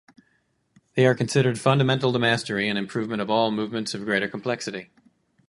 They are considered fundamental to mastery and improvement of all movements of greater complexity.